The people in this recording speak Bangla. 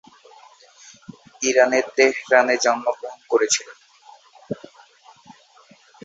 ইরানের তেহরানে জন্মগ্রহণ করেছিলেন।